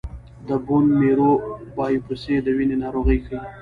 د بون میرو بایوپسي د وینې ناروغۍ ښيي.